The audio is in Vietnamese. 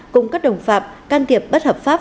cùng các đồng phạm can thiệp bất hợp pháp